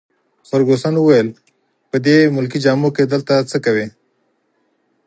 فرګوسن وویل: په دې ملکي جامو کي دلته څه کوي؟